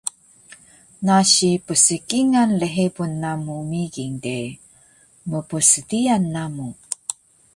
nasi pskingal lhebun namu migin de, mpsdiyal namu